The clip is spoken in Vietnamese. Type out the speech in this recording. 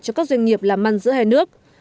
cho các doanh nghiệp làm măn giữa hai nước